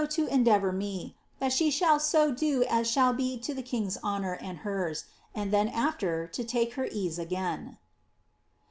to endeavour me, that she shall so do as shall be to the king's honour and Qen ; and then aAer to take her ease again."